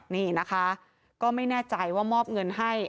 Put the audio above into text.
นี่นะคะก็ไม่แน่ใจว่ามอบเงินให้